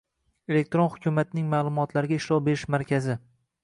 Elektron hukumatning ma’lumotlarga ishlov berish markazi